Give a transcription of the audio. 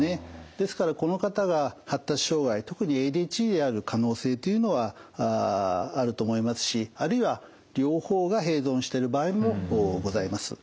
ですからこの方が発達障害特にＡＤＨＤである可能性というのはあると思いますしあるいは両方が併存している場合もございます。